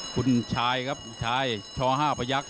คุณชายครับชห้าพยักษ์